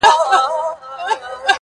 د تيارو اجاره دار محتسب راغى؛